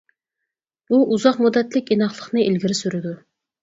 بۇ ئۇزاق مۇددەتلىك ئىناقلىقنى ئىلگىرى سۈرىدۇ.